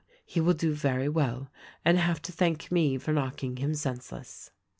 — he will do very well and have to thank me for knocking him senseless.